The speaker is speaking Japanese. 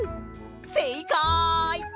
せいかい！